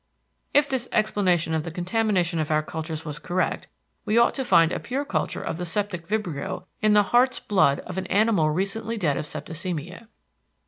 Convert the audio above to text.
If this explanation of the contamination of our cultures was correct, we ought to find a pure culture of the septic vibrio in the heart's blood of an animal recently dead of septicemia.